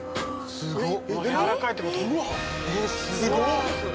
すごい！